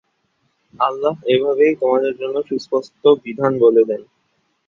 আল্লাহ এভাবেই তোমাদের জন্য সুস্পষ্ট বিধান বলে দেন।